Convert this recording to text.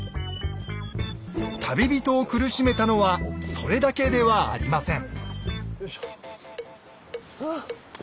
旅人を苦しめたのはそれだけではありません。